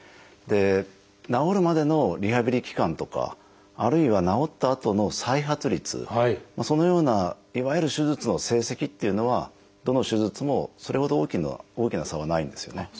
治るまでのリハビリ期間とかあるいは治ったあとの再発率そのようないわゆる手術の成績っていうのはどの手術もそれほど大きな差はないんですよね。